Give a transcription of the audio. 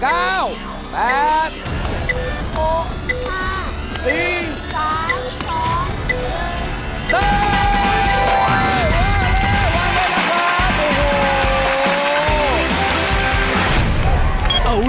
เว้เว้เว้เว้วันเว้นนะครับโอ้โห